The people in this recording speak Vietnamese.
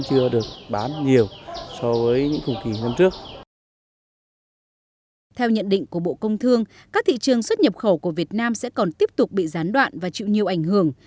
theo nhận định của bộ công thương các thị trường xuất nhập khẩu của việt nam sẽ còn tiếp tục bị gián đoạn và chịu nhiều ảnh hưởng